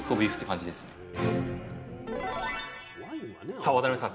さあ渡邊さん